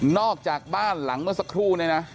อกจากบ้านหลังเมื่อสักครู่เนี่ยนะ